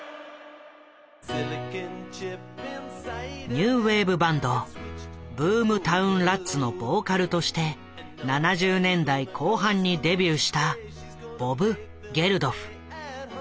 ニューウェーブバンドブームタウン・ラッツのボーカルとして７０年代後半にデビューしたボブ・ゲルドフ。